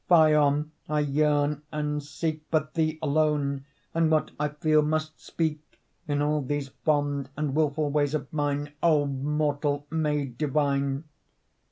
Phaon, I yearn and seek But thee alone; and what I feel must speak In all these fond and wilful ways of mine, O mortal, made divine!